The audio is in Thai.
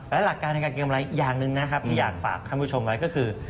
และหลักการในการกินกำไรอย่างหนึ่งอยากฝากคุณผู้ชมก็คือ